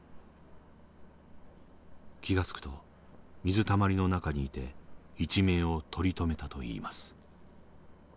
気が付くと水たまりの中にいて一命を取り留めたといいます。